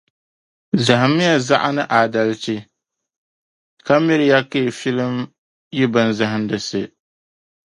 Zalimi ya zaɣa ni aadalsi, ka miri ya ka yi filim yi binzahindisi.